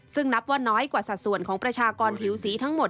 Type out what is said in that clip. ซึ่งนับว่าน้อยกว่าสัดส่วนของประชากรผิวสีทั้งหมด